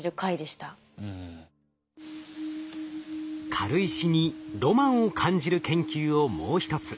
軽石にロマンを感じる研究をもう一つ。